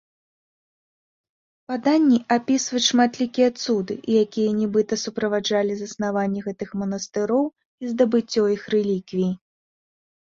Паданні апісваюць шматлікія цуды, якія нібыта суправаджалі заснаванні гэтых манастыроў і здабыццё іх рэліквій.